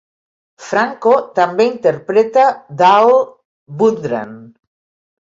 Franco també interpreta Darl Bundren.